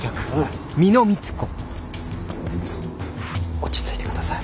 落ち着いて下さい。